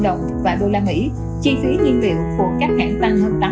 góp phần làm tổng chi phí của doanh nghiệp tăng thêm gần ba mươi ba năm